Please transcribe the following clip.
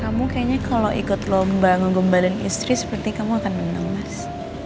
kamu kayaknya kalau ikut lomba ngegembalin istri seperti kamu akan menang mas